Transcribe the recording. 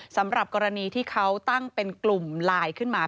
สำหรับกรณีที่เขาตั้งเป็นกลุ่มไลน์ขึ้นมา